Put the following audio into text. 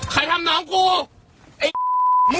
ใครทำน้องกู